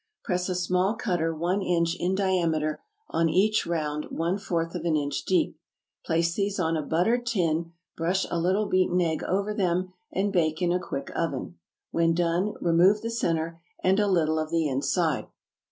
Press a small cutter one inch in diameter, on each round, one fourth of an inch deep. Place them on a buttered tin, brush a little beaten egg over them, and bake in a quick oven. When done, remove the centre, and a little of the inside.